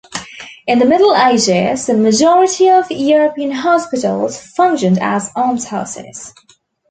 In the Middle Ages, the majority of European hospitals functioned as almshouses.